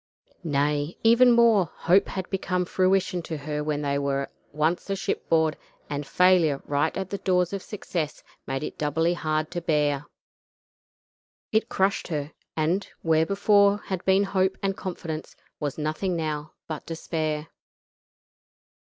Nay, even more; hope had become fruition to her when they were once a shipboard, and failure right at the door of success made it doubly hard to bear. It crushed her, and, where before had been hope and confidence, was nothing now but despair.